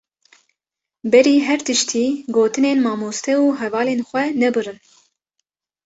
Berî her tiştî, gotinên mamoste û hevalên xwe nebirin.